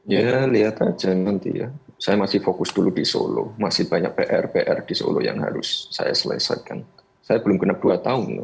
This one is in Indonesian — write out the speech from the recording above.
ya lihat aja nanti ya saya masih fokus dulu di solo masih banyak pr pr di solo yang harus saya selesaikan saya belum genap dua tahun